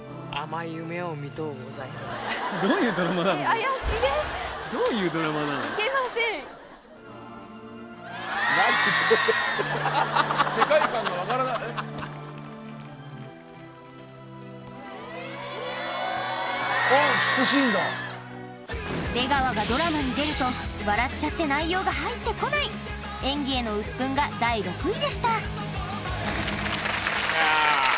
怪しげいけません出川がドラマに出ると笑っちゃって内容が入ってこない演技へのウップンが第６位でしたいやー